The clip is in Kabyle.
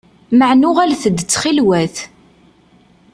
Meɛna uɣalet-d ttxil-wet!